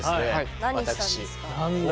何したんですか？